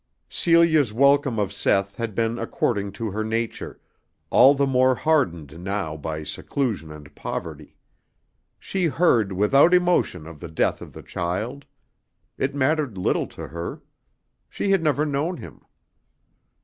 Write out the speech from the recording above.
Celia's welcome of Seth had been according to her nature, all the more hardened now by seclusion and poverty. She heard without emotion of the death of the child. It mattered little to her. She had never known him.